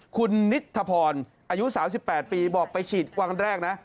คุณนิทธพรอายุ๓๘ปีบอกไปฉีดวันแรกนะ